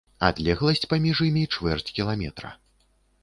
Адлегласць паміж імі чвэрць кіламетра.